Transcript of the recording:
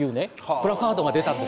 プラカードが出たんですよ。